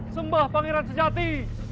sembah pangeran sejati